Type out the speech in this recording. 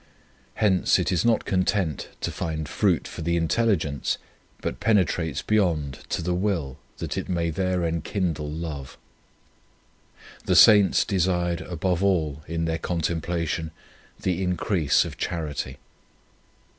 Hence it is not con tent to find fruit for the intelligence, but penetrates beyond to the will that it may there enkindle love. The Saints desired above all in their contemplation the increase of charity.